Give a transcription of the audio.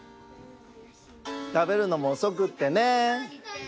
たべるのもおそくってね。